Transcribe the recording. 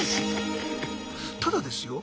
ただですよ